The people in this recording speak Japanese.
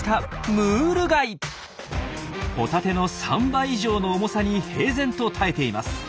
ホタテの３倍以上の重さに平然と耐えています。